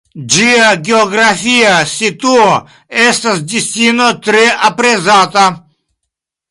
Ĝia geografia situo estas destino tre aprezata.